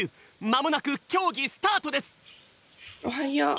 まもなくきょうぎスタートです！